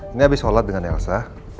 ini habis sholat dengan elsa